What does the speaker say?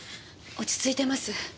落ち着いてます。